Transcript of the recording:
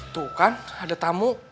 tuh kan ada tamu